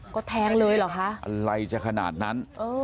ก็แทงเลยเหรอคะอะไรจะขนาดนั้น